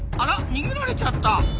逃げられちゃった。